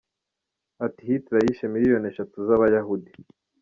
Ati “Hitler yishe miliyoni eshatu z’Abayahudi.